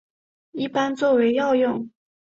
一般作为药用。